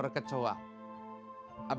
apakah manusia mampu menciptakan seekor lalat